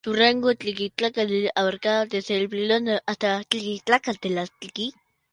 Su rango cronoestratigráfico abarcaba desde el Plioceno hasta el Pleistoceno medio.